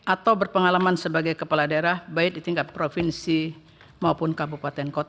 atau berpengalaman sebagai kepala daerah baik di tingkat provinsi maupun kabupaten kota